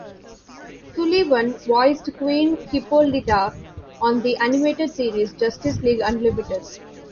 Sullivan voiced Queen Hippolyta on the animated series "Justice League Unlimited".